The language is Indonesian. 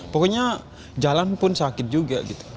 pokoknya jalan pun sakit juga gitu